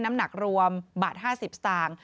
น้ำหนักรวมบาท๕๐สตางค์